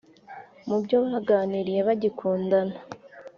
Mu byo baganiriye bagikundana